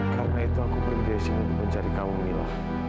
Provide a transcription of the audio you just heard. karena itu aku pergi dari sini mencari kamu mila